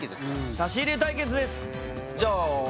差し入れ対決です